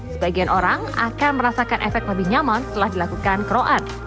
sebagian orang akan merasakan efek lebih nyaman setelah dilakukan keroan